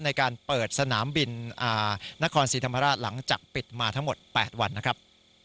ในการเปิดสนามบินนครศรีธรรมราชหลังจากปิดมาทั้งหมด๘วันนะครับ